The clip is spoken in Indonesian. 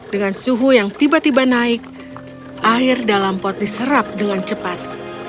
dengan suhu yang tiba tiba naik air dalam pot diserap dengan cepat